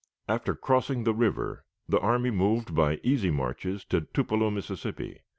After crossing the river, the army moved by easy marches to Tupelo, Mississippi.